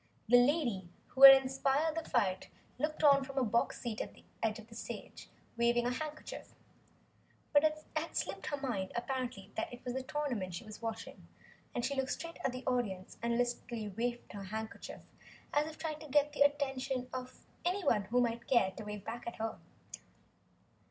The lady who had inspired the fight looked on from her box seat at the side of the stage, waving her handkerchief. But it had slipped her mind apparently that it was the tournament she was watching, and she looked straight at the audience and listlessly waved her handkerchief as if trying to attract the attention of anyone who might care to wave back at her.